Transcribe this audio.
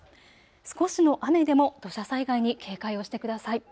少しの雨でも土砂災害に警戒をしてください。